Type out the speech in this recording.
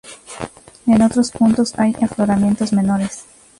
En otros puntos hay afloramientos menores.